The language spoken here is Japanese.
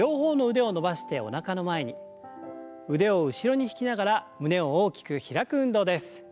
腕を後ろに引きながら胸を大きく開く運動です。